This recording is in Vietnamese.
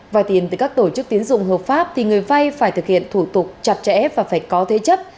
vai tiền từ các tổ chức tiến dụng hợp pháp thì người vay phải thực hiện thủ tục chặt chẽ và phải có thế chấp